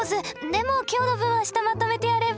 でも今日の分は明日まとめてやれば。